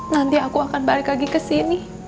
nanti aku akan balik lagi kesini